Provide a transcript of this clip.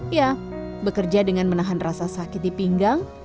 ya bekerja dengan menahan rasa sakit di pinggang